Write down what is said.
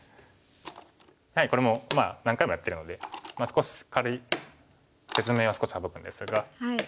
これも何回もやってるので少し軽い説明は少し省くんですが。